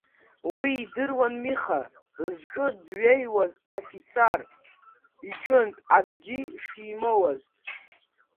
Уи идыруан Миха зҿы дҩеиуаз афицар иҿынтә акгьы шимоуаз.